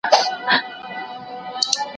کتابونه یې په څنګ کي وه نیولي